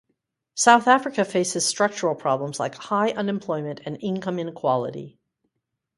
South Africa faces structural problems like high unemployment and income inequality.